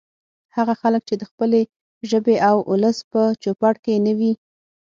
هغه خلک چې د خپلې ژبې او ولس په چوپړ کې نه وي